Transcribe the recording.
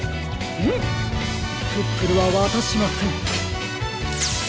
フンプップルはわたしません。